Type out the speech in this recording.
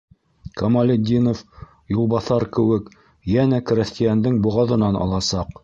Камалетдинов, юлбаҫар кеүек, йәнә крәҫтиәндең боғаҙынан аласаҡ.